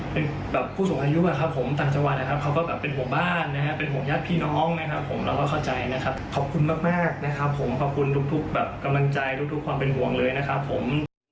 เป็นแบบผู้สูงอายุอะครับผมต่างจังหวัดนะครับเขาก็แบบเป็นห่วงบ้านนะครับเป็นห่วงญาติพี่น้องนะครับผมเราก็เข้าใจนะครับขอบคุณมากนะครับผมขอบคุณทุกแบบกำลังใจทุกความเป็นห่วงเลยนะครับผม